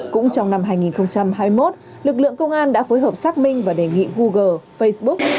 cũng trong năm hai nghìn hai mươi một lực lượng công an đã phối hợp xác minh và đề nghị google facebook